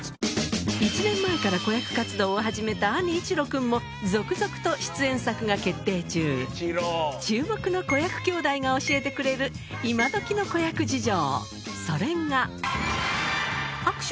１年前から子役活動を始めた兄一路君も続々と出演作が決定中注目の子役兄弟が教えてくれる今どきの子役事情